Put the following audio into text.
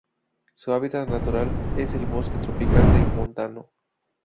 Su hábitat natural es el bosque tropical de montano.